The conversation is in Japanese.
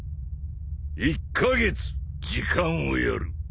１カ月時間をやる。